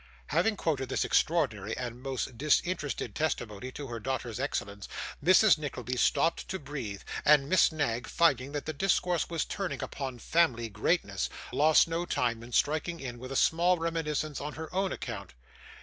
Having quoted this extraordinary and most disinterested testimony to her daughter's excellence, Mrs. Nickleby stopped to breathe; and Miss Knag, finding that the discourse was turning upon family greatness, lost no time in striking in, with a small reminiscence on her own account.